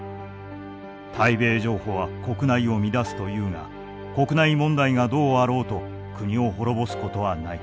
対米譲歩は国内を乱すというが国内問題がどうあろうと国を滅ぼすことはない。